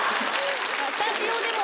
スタジオでも。